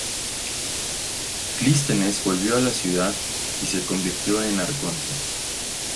Clístenes volvió a la ciudad y se convirtió en Arconte.